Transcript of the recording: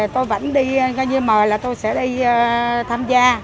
tôi vẫn đi mời là tôi sẽ đi tham gia